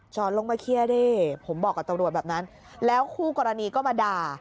ลงมาเคลียร์ดิผมบอกกับตำรวจแบบนั้นแล้วคู่กรณีก็มาด่า